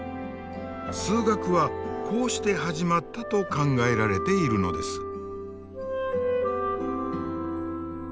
数学はこうして始まったと考えられているのです。